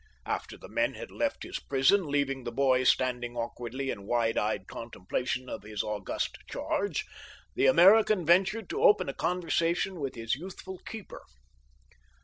After the men had left his prison, leaving the boy standing awkwardly in wide eyed contemplation of his august charge, the American ventured to open a conversation with his youthful keeper.